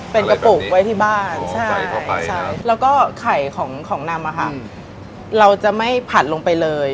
เป็นกระปุกไว้ที่บ้านแล้วก็ไข่ของนำเราจะไม่ผัดลงไปเลย